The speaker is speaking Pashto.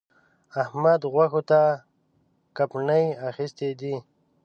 احمد؛ غوښو ته کپڼۍ اخيستی دی.